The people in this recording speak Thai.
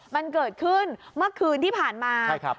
มันเกิดขึ้นเมื่อคืนที่ผ่านมา